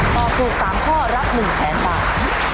ตอบถูก๓ข้อรับ๑๐๐๐๐๐บาท